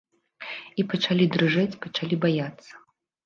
І пачалі дрыжэць, пачалі баяцца.